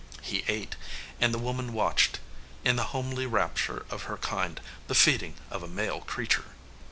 He ate, and the woman watched, in the homely rapture of her kind, the feeding of a male creature.